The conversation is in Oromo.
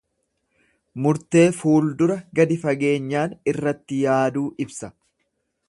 Murtee fuuldura gadi fageenyaan irratti yaaduu ibsa.